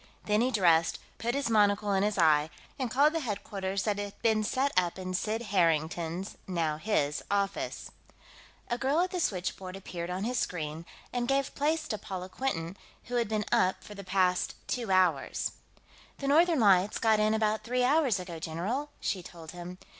Then he dressed, put his monocle in his eye, and called the headquarters that had been set up in Sid Harrington's now his office. A girl at the switchboard appeared on his screen, and gave place to Paula Quinton, who had been up for the past two hours. "The Northern Lights got in about three hours ago, general," she told him.